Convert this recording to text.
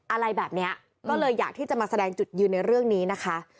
อะไรแบบนี้ก็เลยอยากที่จะมาแสดงจุดยืนในเรื่องนี้นะคะ